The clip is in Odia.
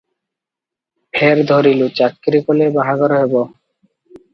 ଫେର ଧରିଲୁ, ଚାକିରି କଲେ ବାହାଘର ହେବ ।